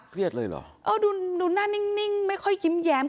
เลยเหรอเออดูหน้านิ่งไม่ค่อยยิ้มแย้ม